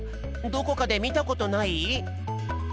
どこかでみたことない？